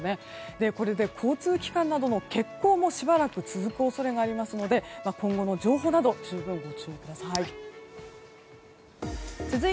これで交通機関などの欠航もしばらく続く恐れがあるので今後の情報など十分ご注意ください。